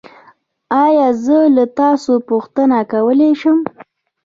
ایا زه له تاسو پوښتنه کولی شم؟